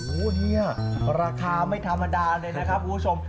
โอ้โหเนี่ยราคาไม่ธรรมดาเลยนะครับคุณผู้ชม